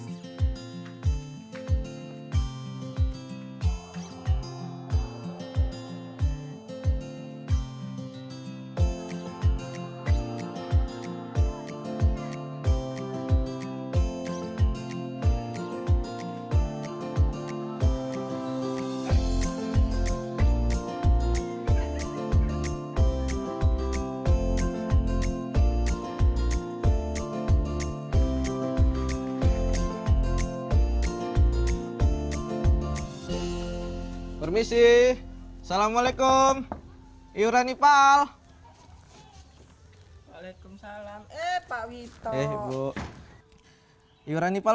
hai permisi salamualaikum iuran nipal waalaikumsalam eh pak wito iuran nipal